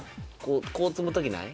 こう積む時ない？